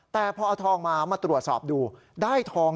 แต่พอเอาทองมามาตรวจสอบดูได้ทอง